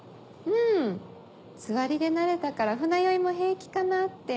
うんつわりで慣れたから船酔いも平気かなって。